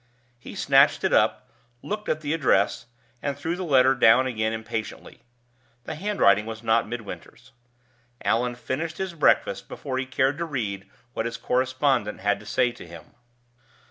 He snatched it up, looked at the address, and threw the letter down again impatiently. The handwriting was not Midwinter's. Allan finished his breakfast before he cared to read what his correspondent had to say to him.